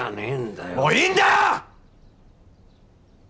もういいんだよ！！